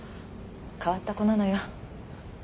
変わった子なのよ。